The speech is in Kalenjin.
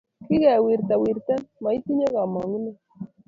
Kige wirta wirten, ma itinye kamang’uno